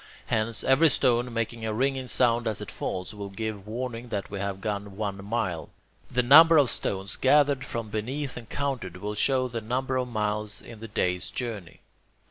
Hence, every stone, making a ringing sound as it falls, will give warning that we have gone one mile. The number of stones gathered from beneath and counted, will show the number of miles in the day's journey.